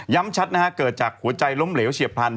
ย้ำชัดเกิดจากหัวใจล้มเหลวเฉียบพันธุ์